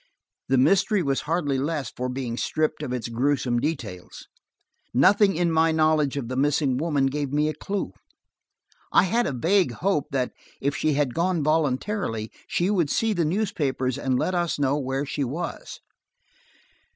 The mystery was hardly less for being stripped of its gruesome details. Nothing in my knowledge of the missing woman gave me a clue. I had a vague hope that, if she had gone voluntarily, she would see the newspapers and let us know where she was.